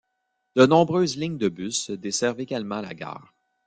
De nombreuses lignes de bus desservent également la gare.